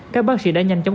các bác sĩ đã nhanh chóng